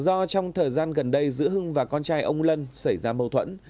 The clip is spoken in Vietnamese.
ở đây giữa hưng và con trai ông lân xảy ra mâu thuẫn